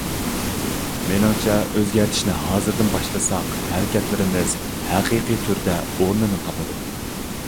مېنىڭچە ئۆزگەرتىشنى ھازىردىن باشلىساق، ھەرىكەتلىرىمىز ھەقىقىي تۈردە ئورنىنى تاپىدۇ.